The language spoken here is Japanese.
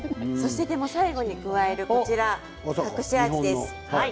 最後に加えるこちら隠し味です。